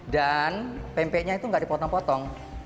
dan pempeknya itu tidak dipotong potong